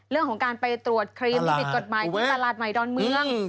เรื่องของการไปตรวจครีมที่ผิดกฎหมายที่ตลาดใหม่ดอนเมือง